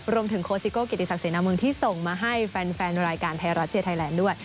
รวมถึงโคสิโก้เกียรติศักดิ์สนามเมืองที่ส่งมาให้แฟนรายการไทยรัชเชียร์ไทยแลนด้วย